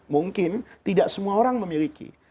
mungkin tidak semua orang memiliki